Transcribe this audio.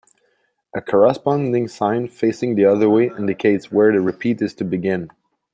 A corresponding sign facing the other way indicates where the repeat is to begin.